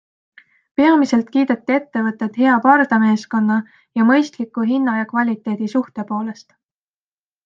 Peamiselt kiideti ettevõtet hea pardameeskonna ja mõistliku hinna ja kvaliteedi suhte poolest.